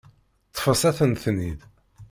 Ṭṭfet-asen-ten-id.